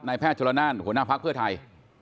นายแพทย์โชลนานหัวหน้าภาคเพื่อไทย